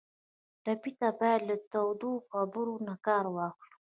ټپي ته باید له تودو خبرو نه کار واخلو.